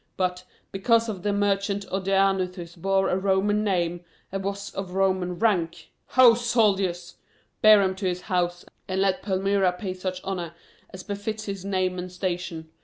But, because the merchant Odaenathus bore a Roman name, and was of Roman rank ho, soldiers! bear him to his house, and let Palmyra pay such honor as befits his name and station."